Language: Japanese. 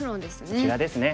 こちらですね。